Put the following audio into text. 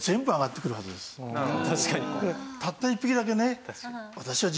確かに。